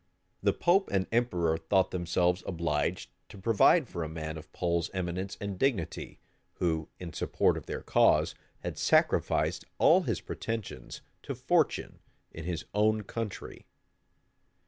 The pope and emperor thought themselves obliged to provide for a man of Pole's eminence and dignity, who, in support of their cause, had sacrificed all his pretensions to fortune in his own country.